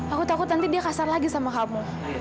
aku takut nanti dia kasar lagi sama kamu